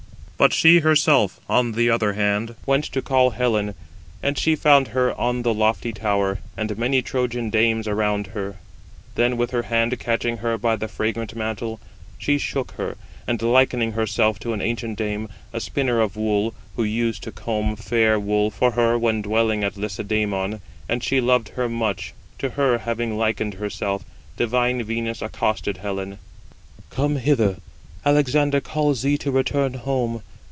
But she herself, on the other hand, went to call Helen, and she found her on the lofty tower, and many Trojan dames around her. Then with her hand catching her by the fragrant mantle, she shook her: and likening herself to an ancient dame, a spinner of wool, who used to comb fair wool for her when dwelling at Lacedæmon, and she loved her much: to her having likened herself, divine Venus accosted [Helen]: "Come hither, Alexander calls thee to return home.